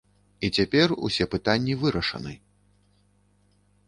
І цяпер усе пытанні вырашаны.